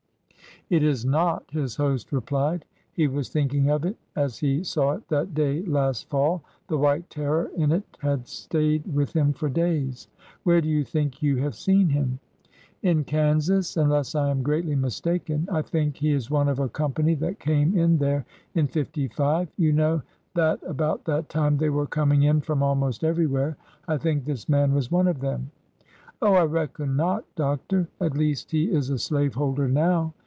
It is not,'' his host replied. He was thinking of it as he saw it that day last fall. The white terror in it had stayed with him for days. Where do you think you have seen him ?" In Kansas, unless I am greatly mistaken. I think he is one of a company that came in there in '55. You know that about that time they were coming in from almost everywhere. I think this man was one of them." '' Oh, I reckon not. Doctor*. At least, he is a slaveholder now.